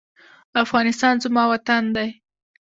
افغانستان زما وطن دی.